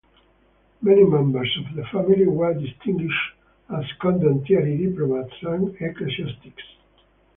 Many members of the family were distinguished as "condottieri", diplomats and ecclesiastics.